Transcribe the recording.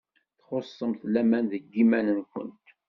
Txuṣṣemt laman deg yiman-nwent.